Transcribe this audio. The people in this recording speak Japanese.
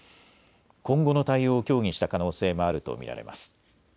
今後の対応を協議した可能性もあると見られます。